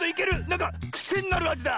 なんかくせになるあじだ！